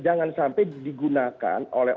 jangan sampai digunakan oleh